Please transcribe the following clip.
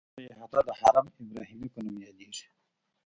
ټوله احاطه د حرم ابراهیمي په نوم یادیږي.